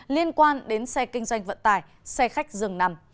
liên quan đến xe kinh doanh vận tải xe khách dường nằm